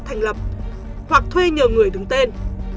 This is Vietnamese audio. thành lập hoặc thuê nhờ người đứng tên